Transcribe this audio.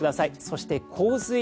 そして、洪水。